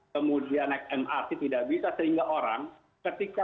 kemudian naik mrt tidak bisa sehingga orang ketika